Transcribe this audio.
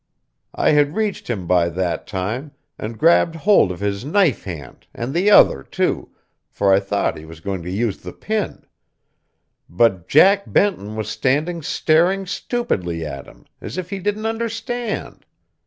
I had reached him by that time, and grabbed hold of his knife hand and the other too, for I thought he was going to use the pin; but Jack Benton was standing staring stupidly at him, as if he didn't understand.